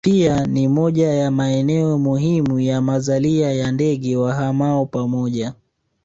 Pia ni moja ya maeneo muhimu ya mazalia ya ndege wahamao pamoja